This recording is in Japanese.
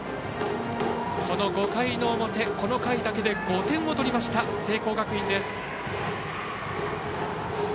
この５回の表この回だけで５点を取りました聖光学院です。